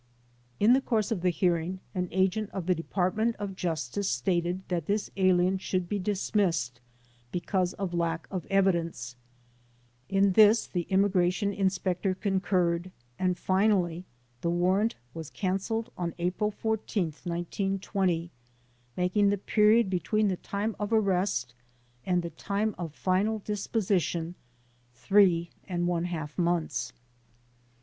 In the course of the hearing an agent of the Department of Justice stated that this alien should be dismissed because of lack of evidence. In this the Im 54 THE DEPORTATION CASES migration Inspector concurred and finally the warrant was cancelled on April 14, 1920, making the period be tween the time of arrest and the time of final disposition three and one half months.